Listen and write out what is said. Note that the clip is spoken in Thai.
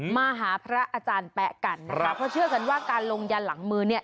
มาหาพระอาจารย์แป๊ะกันนะครับเขาเชื่อกันว่าการลงยันหลังมือเนี่ย